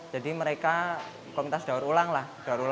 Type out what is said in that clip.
jadi mereka komunitas daur ulang lah